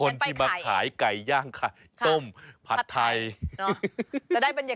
เดี๋ยวดิฉันไปขาย